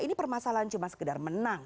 ini permasalahan cuma sekedar menang